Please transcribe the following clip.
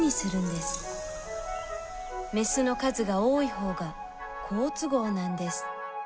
メスの数が多い方が好都合なんです。